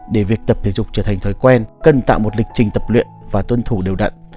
để việc tập thể dục trở thành thói quen cần tạo một lịch trình tập luyện và tuân thủ đều đặn